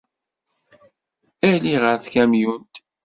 Ali ɣer tkamyunt!